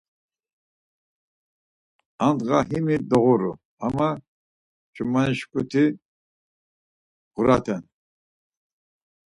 Andğa himu doğuru, ama ç̌umani şǩuti bğuraten.